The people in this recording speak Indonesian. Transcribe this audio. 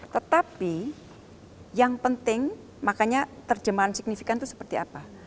tetapi yang penting makanya terjemahan signifikan itu seperti apa